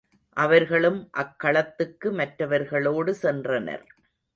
அவர்களும் அக்களத்துக்கு மற்றவர்களோடு சென்றனர்.